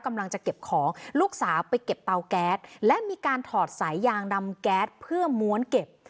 กำลังจะเก็บของลูกสาวไปเก็บเตาแก๊สและมีการถอดสายยางดำแก๊สเพื่อม้วนเก็บ